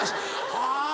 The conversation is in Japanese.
はぁ。